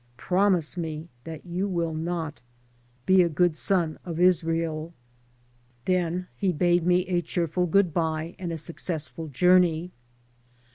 Promise me that you will not. Be a good son of Israel." Then 6% FAREWELL FOREVER he bade me a cheerful good by and a successful jour ney.